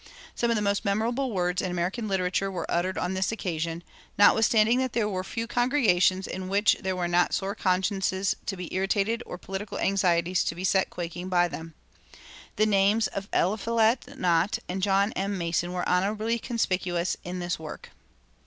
Some of the most memorable words in American literature were uttered on this occasion, notwithstanding that there were few congregations in which there were not sore consciences to be irritated or political anxieties to be set quaking by them. The names of Eliphalet Nott and John M. Mason were honorably conspicuous in this work.